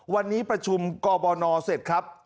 วันนี้ประชุมกบนเสร็จครับ